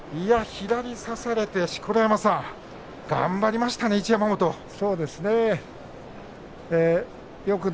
左差されて、一山本頑張りましたね錣山さん。